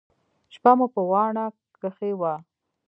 شپه مو په واڼه کښې وه.